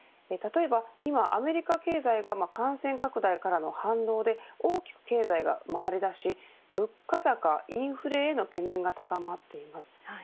例えば今アメリカ経済が感染拡大からの反動で大きく経済が回りだし物価高、インフレへの懸念が高まっています。